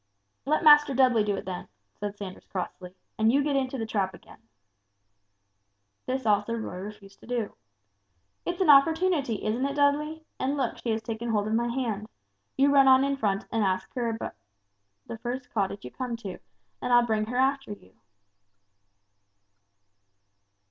"Let Master Dudley do it, then," said Sanders, crossly, "and you get into the trap again." This also Roy refused to do. "It's an opportunity, isn't it, Dudley? And look she has taken hold of my hand; you run on in front and ask about her at the first cottage you come to, and I'll bring her after you."